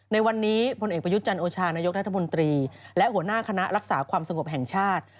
ในวันนี้พลเอกประยุทธ์จันโอชานายกรัฐมนตรีและหัวหน้าคณะรักษาความสงบแห่งชาติ